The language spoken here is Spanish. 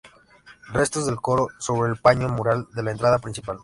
Restos del coro sobre el paño mural de la entrada principal.